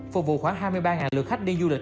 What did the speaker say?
phục vụ khoảng hai mươi ba lượt khách đi du lịch